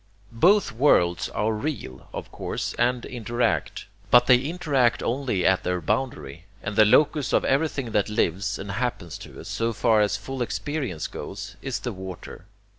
Both worlds are real, of course, and interact; but they interact only at their boundary, and the locus of everything that lives, and happens to us, so far as full experience goes, is the water.